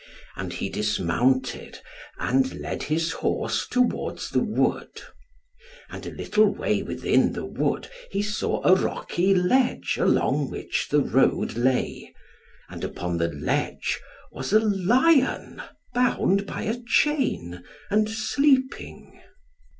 And he dismounted, and led his horse towards the wood. And a little way within the wood he saw a rocky ledge, along which the road lay. And upon the ledge was a lion bound by a chain, and sleeping.